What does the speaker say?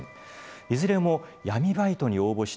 いずれも闇バイトに応募して」。